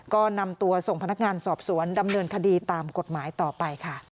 ก็นำตัวส่งพนักงานสอบสวนดำเนินคดีตามกฎหมายต่อไปค่ะ